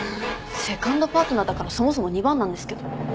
セカンドパートナーだからそもそも２番なんですけど。